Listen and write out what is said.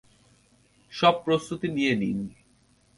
সব প্রস্তুতি নিয়ে নিন।